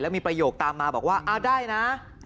แล้วมีประโยคตามมาบอกว่าอ้าวได้นะ